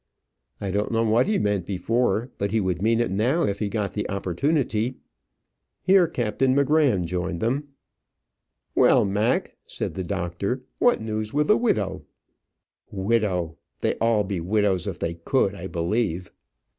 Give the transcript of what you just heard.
"I don't know what he meant before; but he would mean it now, if he got the opportunity." Here Captain M'Gramm joined them. "Well, Mac," said the doctor, "what news with the widow?" "Widow! they'd all be widows if they could, I believe."